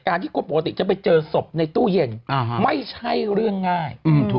ที่คนปกติจะไปเจอศพในตู้เย็นไม่ใช่เรื่องง่าย